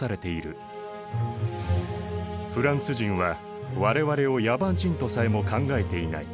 「フランス人は我々を野蛮人とさえも考えていない。